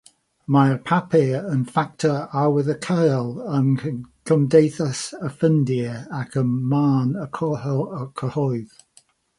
Mae'r papur yn ffactor arwyddocaol yng nghymdeithas y Ffindir ac ym marn y cyhoedd.